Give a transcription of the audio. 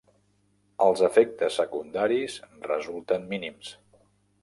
Els efectes secundaris resulten mínims.